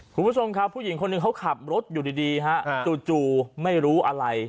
คุณผู้ชมครับผู้หญิงคนหนึ่งเขาขับรถอยู่ดีฮะจู่ไม่รู้อะไร